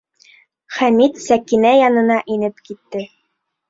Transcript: Хәмит Сәкинә янына инеп китте.